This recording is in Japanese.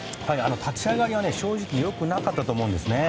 立ち上がりは、正直良くなかったと思うんですね。